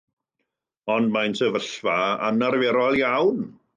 ‘Ond mae'n sefyllfa anarferol iawn.